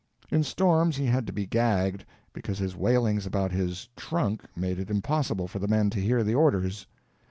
In storms he had to be gagged, because his wailings about his "trunk" made it impossible for the men to hear the orders.